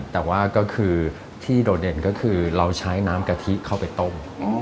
แต่ว่าก็คือที่โดดเด่นก็คือเราใช้น้ำกะทิเข้าไปต้ม